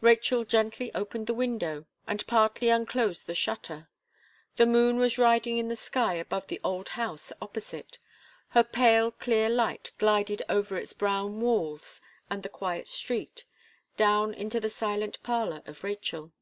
Rachel gently opened the window, and partly unclosed the shutter; the moon was riding in the sky above the old house opposite, her pale clear light glided over its brown walls and the quiet street, down into the silent parlour of Rachel.